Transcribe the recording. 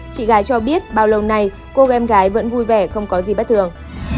chị gái cho biết bao lâu nay cô bé gái vẫn vui vẻ không có gì bất thường